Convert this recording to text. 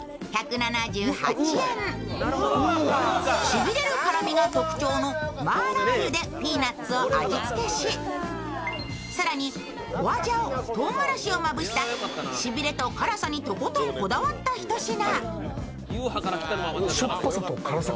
しびれる辛みが特徴の麻辣油でピーナッツを味付けし更に、ホアジャオ、唐辛子をまぶしたしびれと辛さにとことんこだわったひと品。